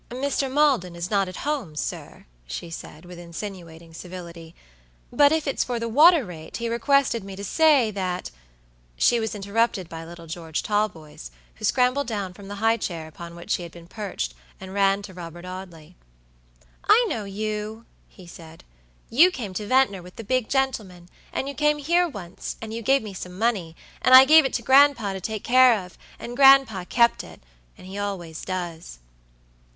"Mr. Maldon is not at home, sir," she said, with insinuating civility; "but if it's for the water rate, he requested me to say that" She was interrupted by little George Talboys, who scrambled down from the high chair upon which he had been perched, and ran to Robert Audley. "I know you," he said; "you came to Ventnor with the big gentleman, and you came here once, and you gave me some money, and I gave it to gran'pa to take care of, and gran'pa kept it, and he always does."